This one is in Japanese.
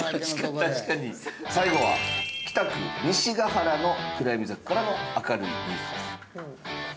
最後は北区西ケ原の暗闇坂からの明るいニュースです。